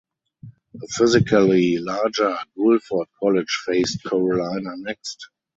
A physically larger Guilford College faced Carolina next.